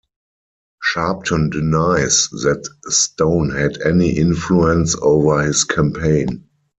Sharpton denies that Stone had any influence over his campaign.